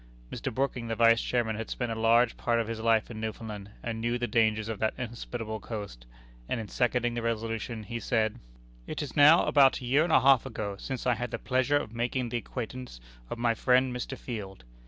Mr. Brooking, the Vice Chairman, had spent a large part of his life in Newfoundland, and knew the dangers of that inhospitable coast, and in seconding the resolution he said: "It is now about a year and a half ago since I had the pleasure of making the acquaintance of my friend Mr. Field.